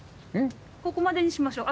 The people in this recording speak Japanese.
ここまでにしましょう。